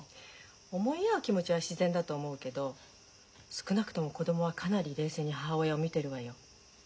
思い合う気持ちは自然だと思うけど少なくとも子供はかなり冷静に母親を見てるわよ。